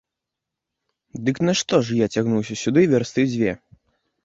Дык нашто ж я цягнуўся сюды вярсты дзве?